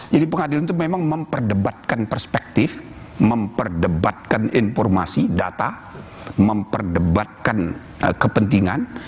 jadi pengadilan itu memang memperdebatkan perspektif memperdebatkan informasi data memperdebatkan kepentingan